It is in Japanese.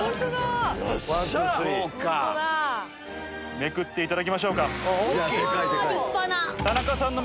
めくっていただきましょうか。